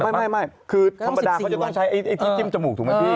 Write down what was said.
ไม่คือธรรมดาเขาจะต้องใช้ไอ้ที่จิ้มจมูกถูกไหมพี่